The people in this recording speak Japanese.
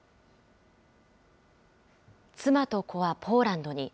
妻と子はポーランドに。